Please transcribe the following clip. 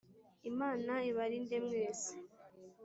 imana ibarinde mwese